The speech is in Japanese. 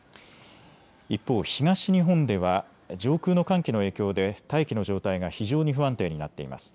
一方、東日本では上空の寒気の影響で大気の状態が非常に不安定になっています。